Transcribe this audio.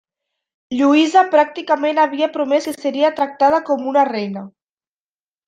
Lluïsa pràcticament havia promés que seria tractada com una reina.